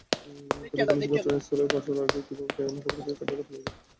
কিন্তু পুলিশ ঘটনাস্থলে পৌঁছানোর আগেই কীভাবে যেন খবর পেয়ে ক্যাডাররা পালিয়ে যায়।